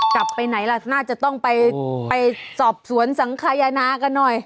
กลับไปไหนล่ะน่าจะต้องไปสอบสวนสังขยานากันหน่อย